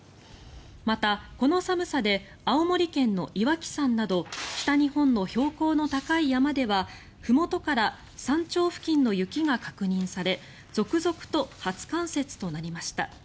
また、この寒さで青森県の岩木山など北日本の標高の高い山ではふもとから山頂付近の雪が確認され続々と初冠雪となりました。